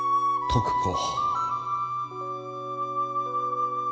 徳子。